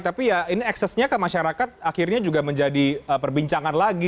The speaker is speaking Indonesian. tapi ya ini eksesnya ke masyarakat akhirnya juga menjadi perbincangan lagi